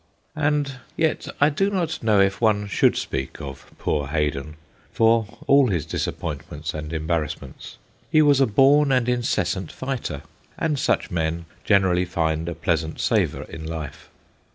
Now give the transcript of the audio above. And yet I do not know if one should speak of ' poor Haydon/ for all his dis appointments and embarrassments. He was a born and incessant fighter, and such men generally find a pleasant savour in life.